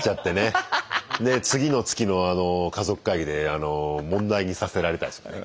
で次の月の家族会議で問題にさせられたりとかね。